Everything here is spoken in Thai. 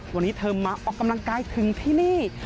วันนี้เธอมาออกกำลังกายถึงที่นี่